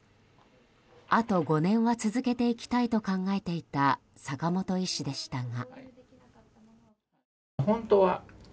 あと５年は続けていきたいと考えていた坂本医師でしたが。